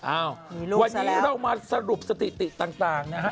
อ้าวมีลูกซะแล้ววันนี้เรามาสรุปสติติต่างนะฮะ